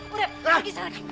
udah pergi sekarang